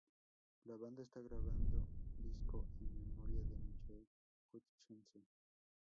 La banda está grabando un disco en memoria de Michael Hutchence.